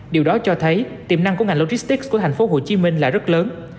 điều đó cho thấy tiềm năng của ngành logistics của tp hcm là rất lớn